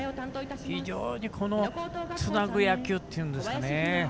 非常につなぐ野球っていうんですかね